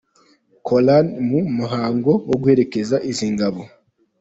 Koran mu muhango wo guherekeza izi ngabo.